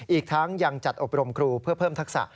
อีกทั้งยังจัดอบรมครูเพื่อเพิ่มทักษะ